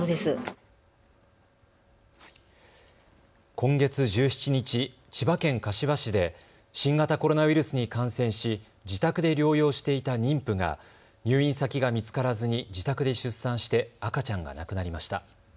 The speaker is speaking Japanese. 今月１７日、千葉県柏市で新型コロナウイルスに感染し自宅で療養していた妊婦が入院先が見つからずに自宅で出産して赤ちゃんが亡くなりました。